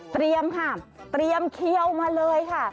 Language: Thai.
เตรียมค่ะเตรียมเคี้ยวมาเลยค่ะ